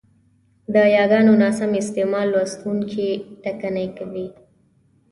د یاګانو ناسم استعمال لوستوونکی ټکنی کوي،